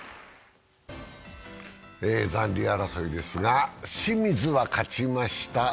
残留争いですが、清水は勝ちました。